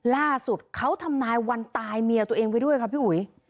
ล่าสุดเขาทำนายวันตายเมียตัวเองไว้ด้วยค่ะพี่อุ๋ย